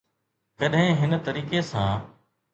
ڪڏهن هن طريقي سان.